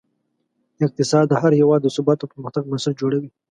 اقتصاد د هر هېواد د ثبات او پرمختګ بنسټ جوړوي.